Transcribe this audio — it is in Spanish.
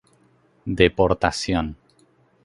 Deportación